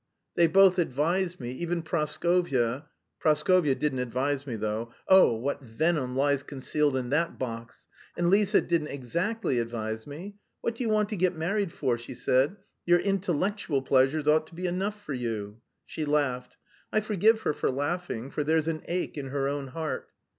They both advised me, even Praskovya. ... Praskovya didn't advise me though. Oh, what venom lies concealed in that 'Box'! And Lise didn't exactly advise me: 'What do you want to get married for,' she said, 'your intellectual pleasures ought to be enough for you.' She laughed. I forgive her for laughing, for there's an ache in her own heart.